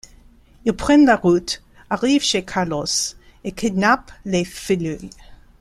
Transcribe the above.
Ils prennent la route, arrivent chez Carlos et kidnappent le filleul.